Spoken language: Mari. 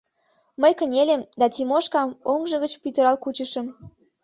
Мый кынельым да Тимошкам оҥжо гыч пӱтырал кучышым.